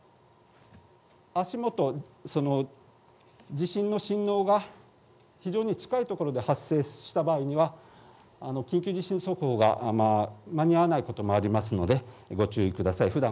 足元、地震の振動が非常に近いところで発生した場合には緊急地震速報が間に合わないこともありますのでご注意ください。